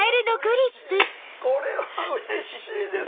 これはうれしいです！